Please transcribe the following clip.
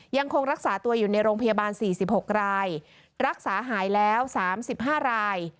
ยังคงรักษาตัวอยู่ในโรงพยาบาล๔๖รายรักษาหายแล้ว๓๕ราย